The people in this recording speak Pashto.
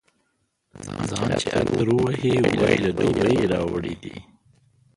خان چي عطر ووهي، وايي له دوبۍ یې راوړی دی.